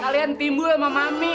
kalian timbul sama mami